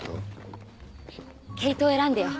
毛糸を選んでよ。